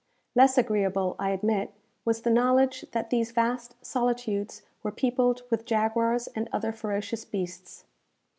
Less agreeable, I admit, was the knowledge that these vast solitudes were peopled with jaguars and other ferocious beasts.